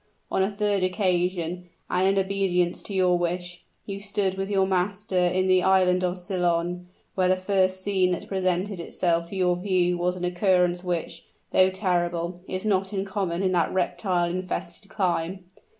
On a third occasion, and in obedience to your wish, you stood with your master in the Island of Ceylon, where the first scene that presented itself to your view was an occurrence which, though terrible, is not uncommon in that reptile infested clime.